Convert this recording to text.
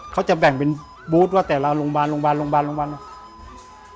เขาจะแบ่งเป็นบูธว่าแต่ละโรงพยาบาลโรงพยาบาลโรงพยาบาล